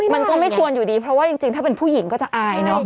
มันก็ไม่ควรอยู่ดีเพราะว่าจริงถ้าเป็นผู้หญิงก็จะอายเนอะ